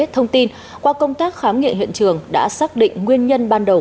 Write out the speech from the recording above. thông tin qua công tác khám nghiệm hiện trường đã xác định nguyên nhân ban đầu